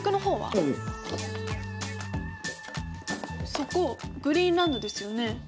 そこグリーンランドですよね？